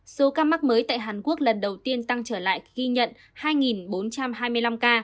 số ca mắc mới tại hàn quốc lần đầu tiên tăng trở lại ghi nhận hai bốn trăm hai mươi năm ca